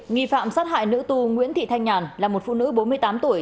nghi phạm xác hại nữ tu nguyễn thị thanh nhàn là một phụ nữ bốn mươi tám tuổi